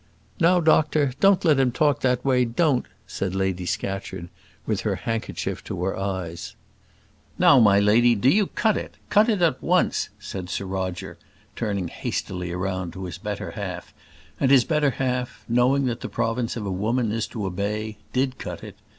"Now, doctor, don't let him talk that way, don't," said Lady Scatcherd, with her handkerchief to her eyes. "Now, my lady, do you cut it; cut at once," said Sir Roger, turning hastily round to his better half; and his better half, knowing that the province of a woman is to obey, did cut it.